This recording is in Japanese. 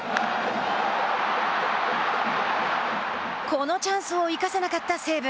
このチャンスを生かせなかった西武。